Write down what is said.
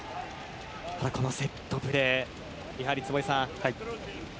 このセットプレーをやはり、坪井さん